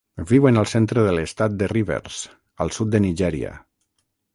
Viuen al centre de l'estat de Rivers, al sud de Nigèria.